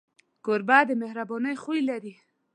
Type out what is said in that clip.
کوربه د مهربانۍ خوی لري.